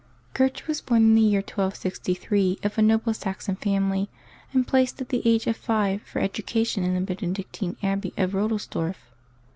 eERTRUDE was bom in the year 1263, of a noble Saxon family, and placed at the age of five for education in the Benedictine abbey of Eodelsdorf.